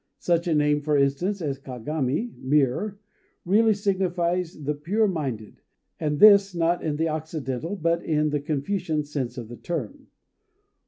Such a name, for instance, as Kagami (Mirror) really signifies the Pure Minded, and this not in the Occidental, but in the Confucian sense of the term.